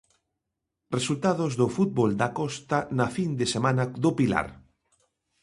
Resultados do fútbol da Costa na fin de semana do Pilar.